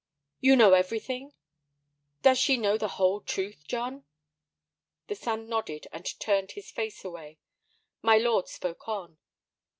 "You know everything? Does she know the whole truth, John?" The son nodded and turned his face away. My lord spoke on.